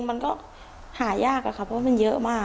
กลับไปเองมันก็หายากอะค่ะเพราะว่ามันเยอะมาก